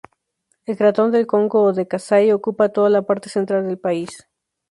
El cratón del Congo o de Kasai ocupa toda la parte central del país.